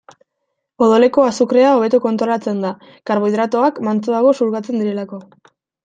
Odoleko azukrea hobeto kontrolatzen da, karbohidratoak mantsoago xurgatzen direlako.